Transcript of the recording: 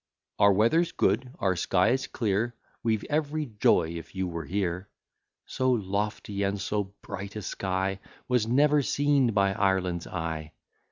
Our weather's good, our sky is clear; We've every joy, if you were here; So lofty and so bright a sky Was never seen by Ireland's eye!